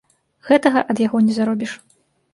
Гэтага ад яго не заробіш.